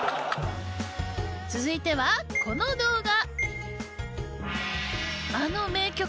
続いてはこの動画。